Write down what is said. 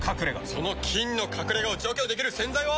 その菌の隠れ家を除去できる洗剤は。